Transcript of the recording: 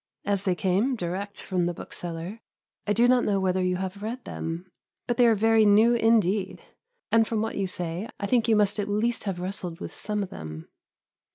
As they came direct from the bookseller, I do not know whether you have read them, but they are very new indeed, and, from what you say, I think you must at least have wrestled with some of them.